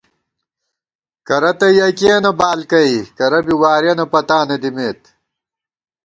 کرہ تہ یَکِیَنہ بالکَئ کرہ بی وارِیَنہ پتانہ دِمېت